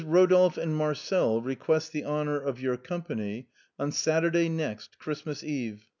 Rodolphe and Marcel request the honor of your company on Satur day next, Christmas Eve.